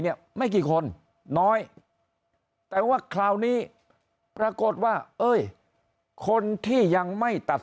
เนี่ยไม่กี่คนน้อยแต่ว่าคราวนี้ปรากฏว่าเอ้ยคนที่ยังไม่ตัด